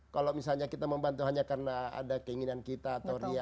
kalau misalnya kita membantu hanya karena ada keinginan kita atau dia